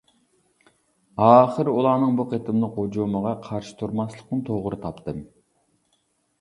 ئاخىرى ئۇلارنىڭ بۇ قېتىملىق ھۇجۇمىغا قارشى تۇرماسلىقنى توغرا تاپتىم.